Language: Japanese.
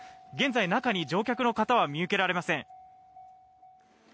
現在、中に乗客の方は見受けられません。